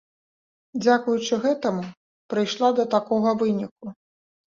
Дзякуючы гэтаму прыйшла да такога выніку.